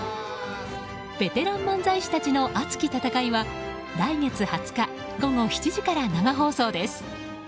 ベテラン漫才師たちの熱き戦いは来月２０日午後７時から生放送です。